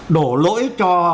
đổ lỗi cho